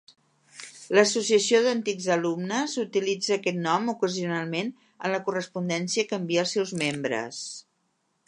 L'associació d'antics alumnes utilitza aquest nom ocasionalment en la correspondència que envia als seus membres.